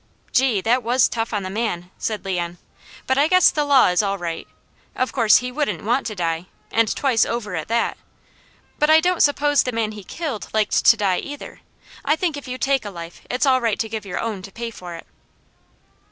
"Gee, that was tough on the man!" said Leon, "but I guess the law is all right. Of course he wouldn't want to die, and twice over at that, but I don't suppose the man he killed liked to die either. I think if you take a life, it's all right to give your own to pay for it."